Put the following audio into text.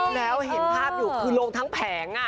แล้วเห็นภาพอยู่คือลงทั้งแผง